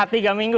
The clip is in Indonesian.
di h tiga minggu